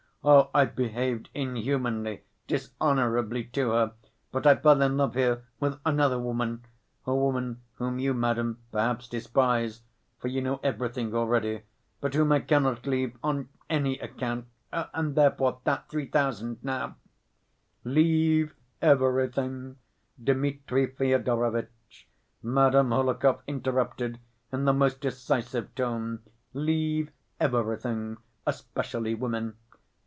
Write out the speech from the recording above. Oh, I've behaved inhumanly, dishonorably to her, but I fell in love here with another woman ... a woman whom you, madam, perhaps, despise, for you know everything already, but whom I cannot leave on any account, and therefore that three thousand now—" "Leave everything, Dmitri Fyodorovitch," Madame Hohlakov interrupted in the most decisive tone. "Leave everything, especially women.